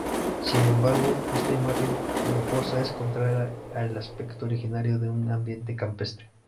Sin embargo, esta imagen lujosa es contraria al aspecto original de un ambiente campestre.